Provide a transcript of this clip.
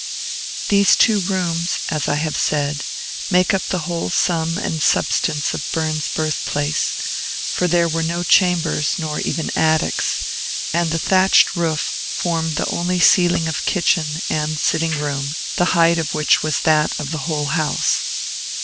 These two rooms, as I have said, make up the whole sum and substance of Burns's birthplace: for there were no chambers, nor even attics; and the thatched roof formed the only ceiling of kitchen and sitting room, the height of which was that of the whole house.